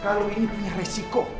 kalau ini punya resiko